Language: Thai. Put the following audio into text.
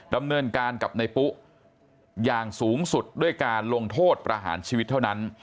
ดำเนินการกับในปุ๊อย่างสูงสุดด้วยการลงโทษประหารชีวิตเท่านั้น